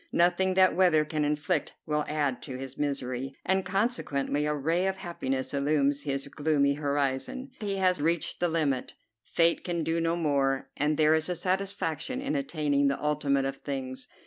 Nothing that weather can inflict will add to his misery, and consequently a ray of happiness illumines his gloomy horizon. He has reached the limit; Fate can do no more; and there is a satisfaction in attaining the ultimate of things.